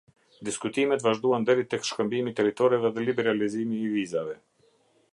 Diskutimet vazhduan deri tek shkëmbimi i territoreve dhe liberalizimi i vizave.